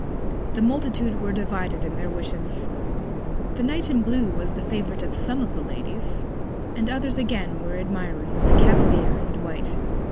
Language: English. The Multitude were divided in their Wishes. The Knight in blue was the Favourite of some of the Ladies; and others again were Admirers of the Cavalier in white.